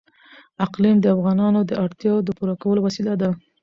اقلیم د افغانانو د اړتیاوو د پوره کولو وسیله ده.